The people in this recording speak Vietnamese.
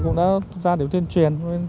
cũng đã ra để tuyên truyền